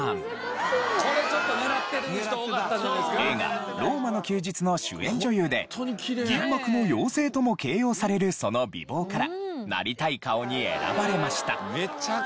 映画『ローマの休日』の主演女優で銀幕の妖精とも形容されるその美貌からなりたい顔に選ばれました。